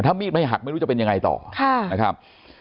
ถ้ามีดไม่หักไม่รู้จะเป็นยังไงต่อนะครับ